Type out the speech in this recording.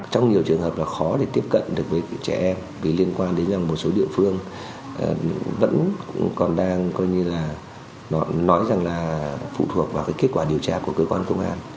trong nhiều trường hợp là khó để tiếp cận được với trẻ em vì liên quan đến rằng một số địa phương vẫn còn đang coi như là nói rằng là phụ thuộc vào kết quả điều tra của cơ quan công an